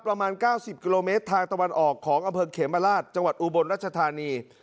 ประมาณ๙๐กิโลเมตรทางตะวันออกของอำเภอเขมราชจังหวัดอุบลรัชธานี